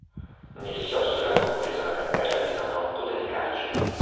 Nel chiostro era compresa la cappella di San Rocco delle Carceri.